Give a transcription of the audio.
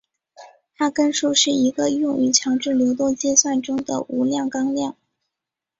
哈根数是一个用于强制流动计算中的无量纲量。